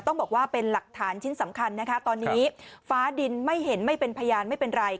ต้องบอกว่าเป็นหลักฐานชิ้นสำคัญนะคะตอนนี้ฟ้าดินไม่เห็นไม่เป็นพยานไม่เป็นไร